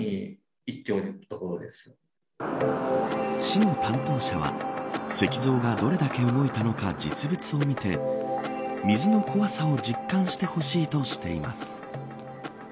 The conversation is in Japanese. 市の担当者は石像がどれだけ動いたのか実物を見て、水の怖さを実感してほしいとしています。